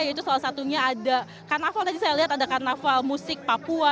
yaitu salah satunya ada karnaval tadi saya lihat ada karnaval musik papua